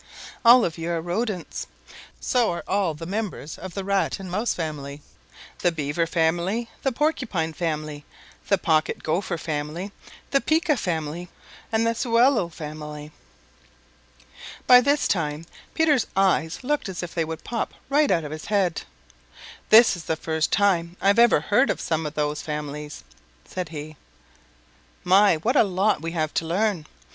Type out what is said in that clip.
All of you are Rodents. So are all the members of the Rat and Mouse family, the Beaver family, the Porcupine family, the Pocket Gopher family, the Pika family, and the Sewellel family." By this time Peter's eyes looked as if they would pop right out of his head. "This is the first time I've ever heard of some of those families," said he. "My, what a lot we have to learn!